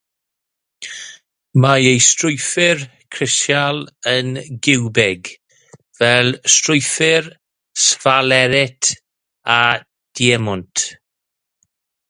Mae ei strwythur crisial yn giwbig, fel strwythur sffalerit a diemwnt.